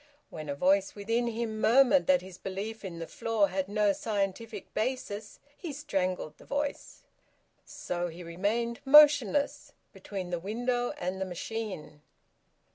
When a voice within him murmured that his belief in the floor had no scientific basis, he strangled the voice. So he remained, motionless, between the window and the machine.